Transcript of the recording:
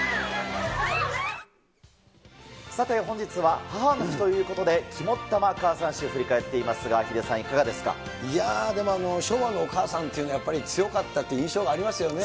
さて、本日は母の日ということで、肝っ玉母さん史を振り返っていまいやでも、昭和のお母さんっていうのはやっぱり強かったって印象がありますよね。